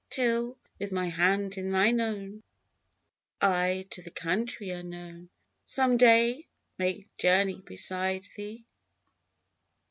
Till, with my hand in thine own, I, to the country unknown Some day may journey beside thee